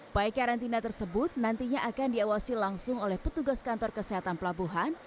pai karantina tersebut nantinya akan diawasi langsung oleh petugas kantor kesehatan pelabuhan